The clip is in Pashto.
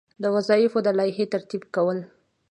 د وظایفو د لایحې ترتیب کول.